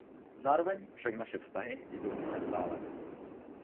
Zároveň však naše vztahy jdou mnohem dále.